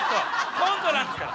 コントなんですから！